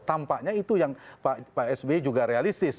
tampaknya itu yang pak sby juga realistis